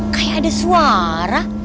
kayak ada suara